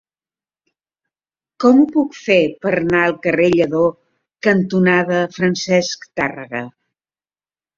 Com ho puc fer per anar al carrer Lledó cantonada Francesc Tàrrega?